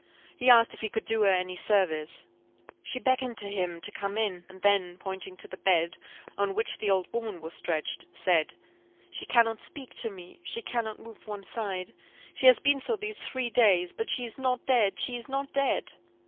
He asked if he could do her any service. She beckoned to him to come in, and then, pointing to the bed, on which the old woman was stretched, said "She cannot speak to me she cannot move one side she has been so these three days but she is not dead she is not dead!"